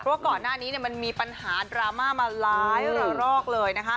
ว่าก่อนหน้านี้มันมีปัญหาดราม่ามาหลายระรอกเลย